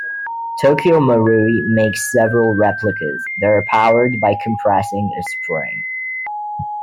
Tokyo Marui makes several replicas that are powered by compressing a spring.